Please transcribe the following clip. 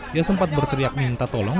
dia sempat berteriak minta tolong